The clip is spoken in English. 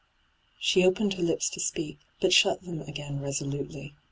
She opened her lips to speak, but shut them f^in resolutely.